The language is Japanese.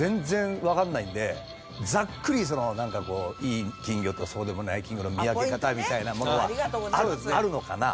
ざっくりなんかこういい金魚とそうでもない金魚の見分け方みたいなものはあるのかな？